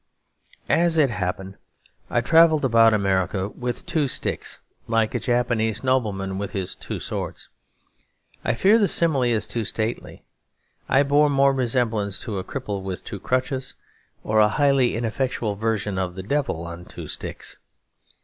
As it happened, I travelled about America with two sticks, like a Japanese nobleman with his two swords. I fear the simile is too stately. I bore more resemblance to a cripple with two crutches or a highly ineffectual version of the devil on two sticks.